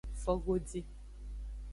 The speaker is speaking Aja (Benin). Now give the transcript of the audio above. Fogodi.